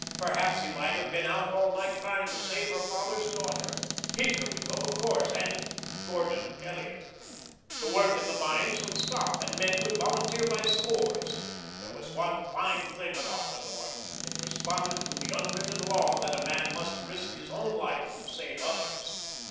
Perhaps he might have been out all night trying to save her father's daughter. Peter would go, of course, and Gordon Elliot. The work in the mines would stop and men would volunteer by scores. That was one fine thing about the North. It responded to the unwritten law that a man must risk his own life to save others.